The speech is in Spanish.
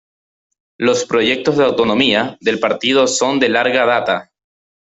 Los proyectos de autonomía del partido son de larga data.